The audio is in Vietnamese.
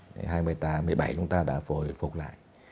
năm hai nghìn một mươi bảy chúng ta đã phổi phục lại